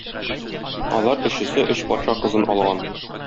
Алар өчесе өч патша кызын алган.